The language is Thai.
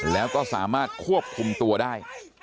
แล้วก็สามารถควบคุมตัวได้